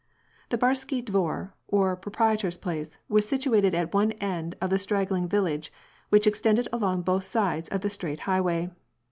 The harsky dvor, or pro prietor's place, was situated at one end of the straggling vil lage which extended along on both sides of the straight high way.